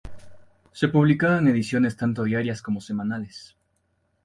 Se publicaban ediciones tanto diarias como semanales.